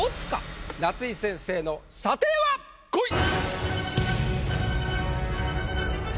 夏井先生の査定は⁉こい！